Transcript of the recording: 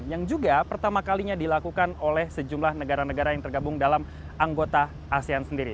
yang juga pertama kalinya dilakukan oleh sejumlah negara negara yang tergabung dalam anggota asean sendiri